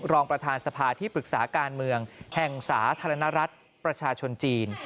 รองประธานสภาที่ปรึกษาการเมืองแห่งสาธารณรัฐประชาชนจีน